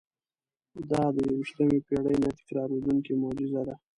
دا د یوویشتمې پېړۍ نه تکرارېدونکې معجزه ده.